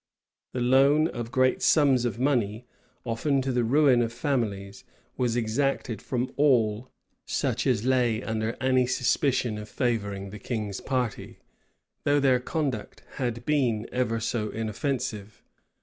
[*] The loan of great sums of money, often to the ruin of families, was exacted from all such as lay under any suspicion of favoring the king's party, though their conduct had been ever so inoffensive.